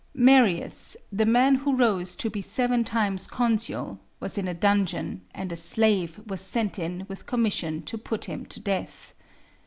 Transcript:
Marius, the man who rose to be seven times consul, was in a dungeon, and a slave was sent in with commission to put him to death.